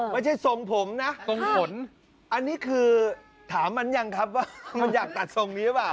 ไม่ใช่ทรงผมนะทรงขนอันนี้คือถามมันยังครับว่ามันอยากตัดทรงนี้หรือเปล่า